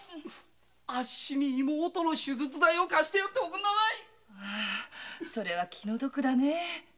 アッシに妹の手術代を貸してやって下せえそれは気の毒だねえ。